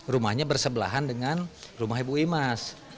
rumahnya bersebelahan dengan rumah ibu imas